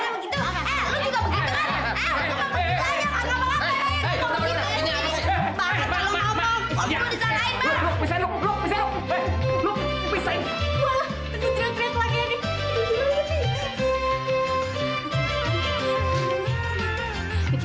mulai bakal indah